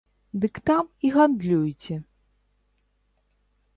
Дык там і гандлюйце!